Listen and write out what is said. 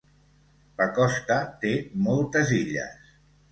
La costa té moltes illes.